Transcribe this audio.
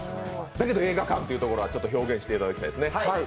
だけど、映画館というところは表現していただきたいですね。